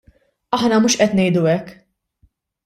Aħna mhux qed ngħidu hekk.